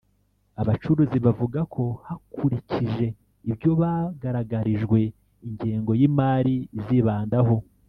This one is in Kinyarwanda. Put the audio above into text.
Abacuruzi bavuga ko bakurikije ibyo bagaragarijwe ingengo y’imari izibandaho